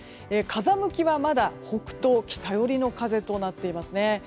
風向きは、まだ北東北寄りの風となっていますね。